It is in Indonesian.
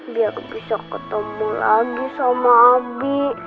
biar bisa ketemu lagi sama abi